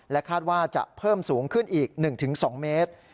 คาดว่าจะเพิ่มสูงขึ้นอีก๑๒เมตร